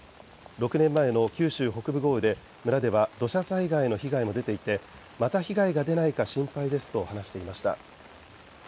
６年前の九州北部豪雨で村では土砂災害の被害も出ていて、また被害が出ないか心配ですと話していました。